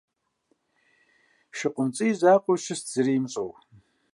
ШыкъумцӀий и закъуэу щыст зыри имыщӏэу.